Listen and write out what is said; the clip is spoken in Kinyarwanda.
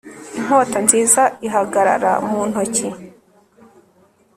Inkota nziza ihagarara mu ntoki